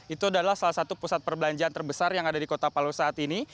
itu adalah salah satu pusat perbelanjaan terbesar yang ada di kota palu saat ini